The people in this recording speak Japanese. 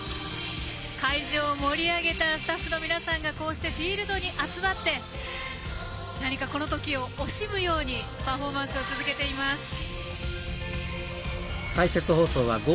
会場を盛り上げたスタッフの皆さんがこうして、フィールドに集まって何か、この時を惜しむようにパフォーマンスを続けています。